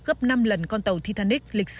gấp năm lần